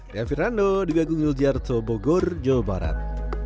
dengan firando di bagung niljarto bogor jawa barat